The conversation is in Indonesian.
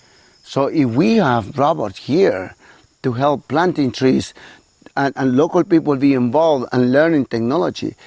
jadi jika kita memiliki robot di sini untuk membantu memanjakan tanah dan orang orang lokal bergabung dan belajar teknologi